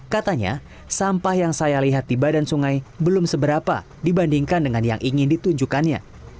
katanya sampah yang saya lihat di badan sungai belum seberapa dibandingkan dengan yang ingin ditunjukkannya